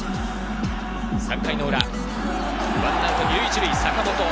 ３回裏、１アウト２塁１塁、坂本。